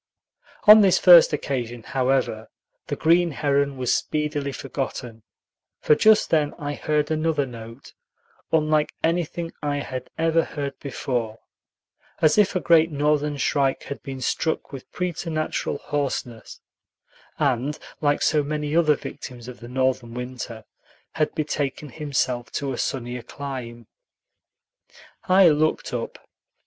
On this first occasion, however, the green heron was speedily forgotten; for just then I heard another note, unlike anything I had ever heard before, as if a great Northern shrike had been struck with preternatural hoarseness, and, like so many other victims of the Northern winter, had betaken himself to a sunnier clime. I looked up.